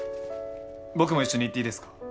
僕も一緒に行っていいですか？